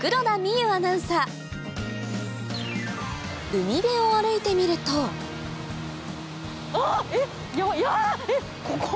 初登場海辺を歩いてみるとあっ！